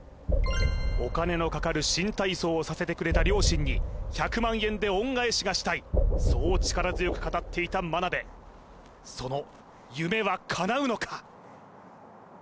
お金のかかる新体操をさせてくれた両親に１００万円で恩返しがしたいそう力強く語っていた眞鍋その夢はかなうのか？